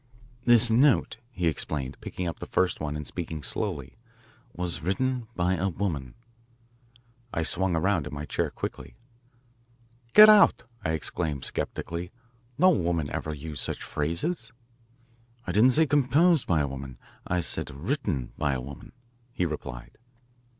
"This note," he explained, picking up the first one and speaking slowly, "was written by a woman." I swung around in my chair quickly. "Get out!" I exclaimed sceptically. "No woman ever used such phrases. "I didn't say composed by a woman I said written by a woman," he replied.